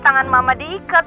tangan mama diikat